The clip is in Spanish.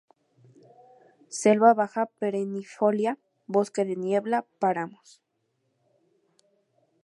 Selva baja perennifolia, bosque de niebla, páramos.